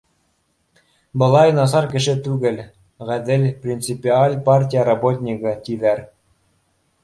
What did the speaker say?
Былай насар кеше түгел, ғәҙел, принципиаль партия работнигы, тиҙәр